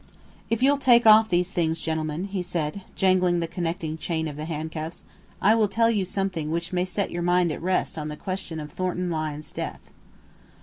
"If you'll take off these things, gentlemen," he said, jangling the connecting chain of the handcuffs, "I will tell you something which may set your mind at rest on the question of Thornton Lyne's death."